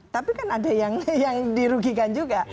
tapi kan ada yang dirugikan juga